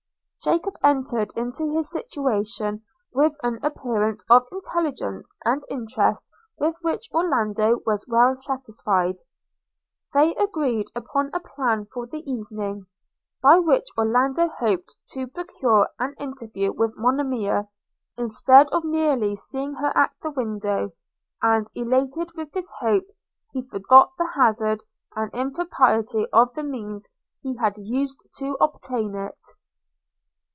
Jacob entered into his situation with an appearance of intelligence and interest with which Orlando was well satisfied. They agreed upon a plan for the evening – by which Orlando hoped to procure an interview with Monimia, instead of merely seeing her at the window; and elated with this hope, he forgot the hazard and impropriety of the means he had used to obtain it.